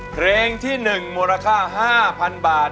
เพลงที่๑มูลค่า๕๐๐๐บาท